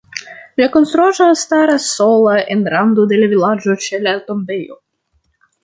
La konstruaĵo staras sola en rando de la vilaĝo ĉe la tombejo.